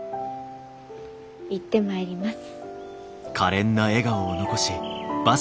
行ってまいります。